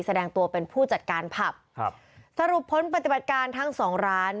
แสดงตัวเป็นผู้จัดการผับครับสรุปผลปฏิบัติการทั้งสองร้าน